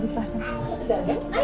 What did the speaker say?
lihat kakak kakak tuh teman teman